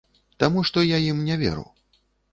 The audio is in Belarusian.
Таму што я ім не веру.